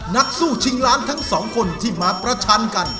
นักสู้ชิงล้านทั้งสองคนที่มาประชันกัน